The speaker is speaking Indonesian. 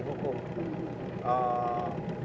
terakhir adalah penegakan